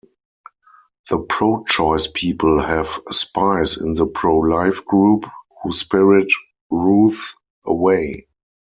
The pro-choice people have "spies" in the pro-life group who spirit Ruth away.